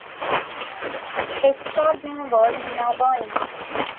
His code name was "Narbonne".